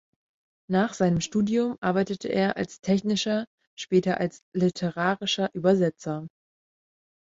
Nach seinem Studium arbeitete er als technischer, später als literarischer Übersetzer.